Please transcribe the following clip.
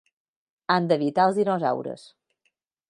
Han d'evitar els dinosaures.